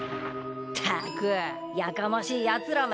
ったくやかましいやつらめ。